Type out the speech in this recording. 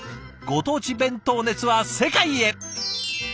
ご当地弁当熱は世界へ！